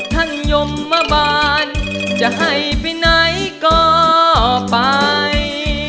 ยมมาบานจะให้ไปไหนก็ไป